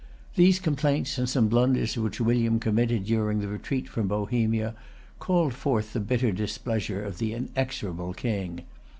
These complaints, and some blunders which William committed during the retreat from Bohemia, called forth the bitter displeasure of the inexorable King.